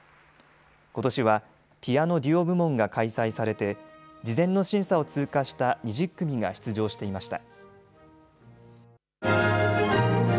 ことしはピアノデュオ部門が開催されて事前の審査を通過した２０組が出場していました。